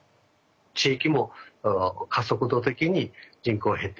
地域も加速度的に人口減っていきます。